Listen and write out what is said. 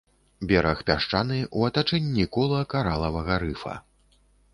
Бераг пясчаны, у атачэнні кола каралавага рыфа.